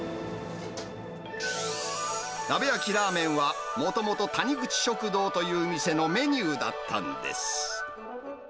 鍋焼きラーメンは、もともと、谷口食堂という店のメニューだったんです。